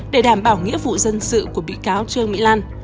để đảm bảo nghĩa vụ dân sự của bị cáo trương mỹ lan